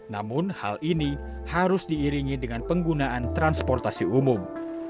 namun hal ini harus diiringi dengan penggunaan transportasi umum